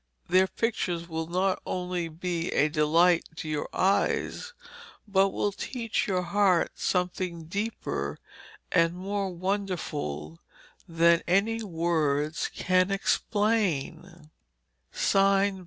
Their pictures will not only be a delight to your eyes, but will teach your heart something deeper and more wonderful than any words can explain.